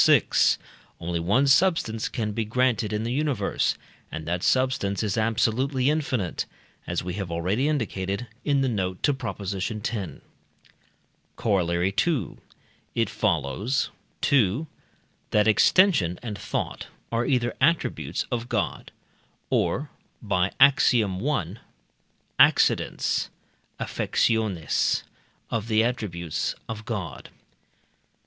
vi.) only one substance can be granted in the universe, and that substance is absolutely infinite, as we have already indicated (in the note to Prop. x.). Corollary II. It follows: 2. That extension and thought are either attributes of God or (by Ax. i.) accidents (affectiones) of the attributes of God.